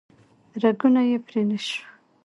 رګونه یې پرې نه شو